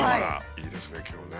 いいですね今日ね。